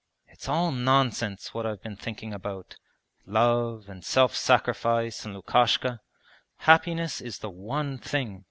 'It's all nonsense what I have been thinking about love and self sacrifice and Lukashka. Happiness is the one thing.